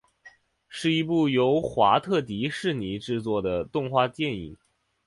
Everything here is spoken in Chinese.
是一部由华特迪士尼制作的动画电影。